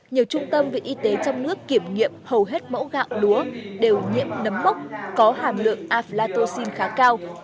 nhiều trung tâm viện y tế trong nước kiểm nghiệm hầu hết mẫu gạo lúa đều nhiễm nấm mốc có hàm lượng aflatoxin khá cao